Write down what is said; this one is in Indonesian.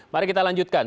mari kita lanjutkan